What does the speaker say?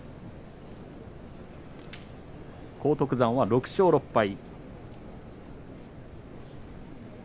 荒篤山は６勝６敗。